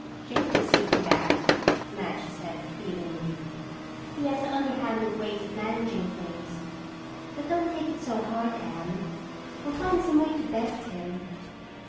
"Jake would see to that," Madge said feelingly. "He has underhanded ways of managing things. But don't take it so hard, Anne. We'll find some way to best him."